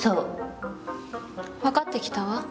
分かってきたわ。